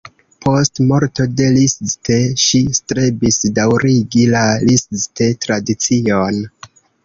Post morto de Liszt ŝi strebis daŭrigi la Liszt-tradicion.